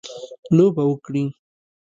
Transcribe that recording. لوبه وکړي.